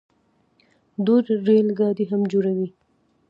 دوی ریل ګاډي هم جوړوي.